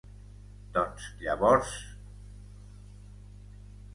-Doncs, llavors…